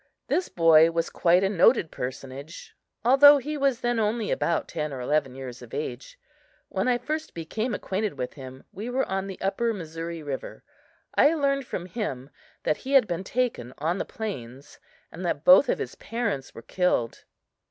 This boy was quite a noted personage, although he was then only about ten or eleven years of age. When I first became acquainted with him we were on the upper Missouri river. I learned from him that he had been taken on the plains, and that both of his parents were killed.